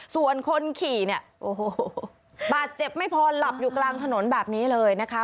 ส่วนคนขี่เนี่ยโอ้โหบาดเจ็บไม่พอหลับอยู่กลางถนนแบบนี้เลยนะคะ